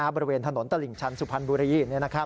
บริเวณถนนตลิ่งชันสุพรรณบุรี